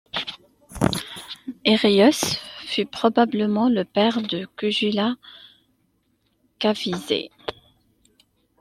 Héraios fut probablement le père de Kujula Kadphisès.